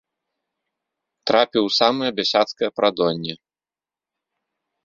Трапіў у самае бясяцкае прадонне.